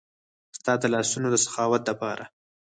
ستا د لاسونو د سخاوت د پاره